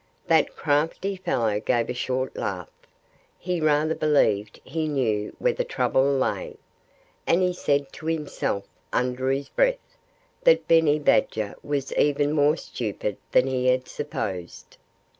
That crafty fellow gave a short laugh. He rather believed he knew where the trouble lay. And he said to himself under his breath that Benny Badger was even more stupid than he had supposed.